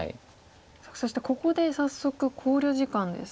さあそしてここで早速考慮時間です。